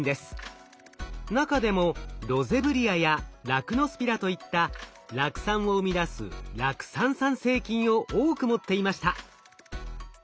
中でもロゼブリアやラクノスピラといった酪酸を生み出す酪酸産生菌を多く持っていました。